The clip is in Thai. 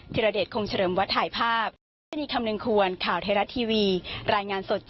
ทิรเดชคงเฉริมวัดถ่ายภาพ